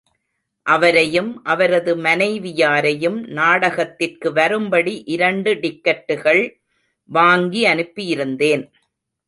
அவரையும் அவரது மனைவியாரையும் நாடகத்திற்கு வரும்படி இரண்டு டிக்கட்டுகள் வாங்கி அனுப்பியிருந்தேன்.